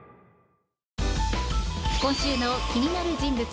今週の気になる人物